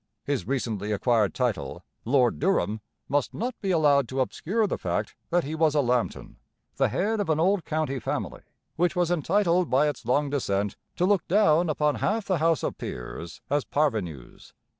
His recently acquired title, Lord Durham, must not be allowed to obscure the fact that he was a Lambton, the head of an old county family, which was entitled by its long descent to look down upon half the House of Peers as parvenus.